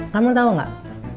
kamu tau gak